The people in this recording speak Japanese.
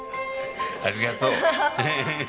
ありがとう。